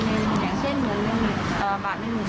เป็นตัวแทนของน้ำหวานนะคะก็คือจะเรียกว่าหวานเนี้ย